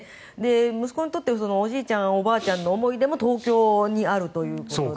息子にとっておじいちゃん、おばあちゃんの思い出も東京にあるということで。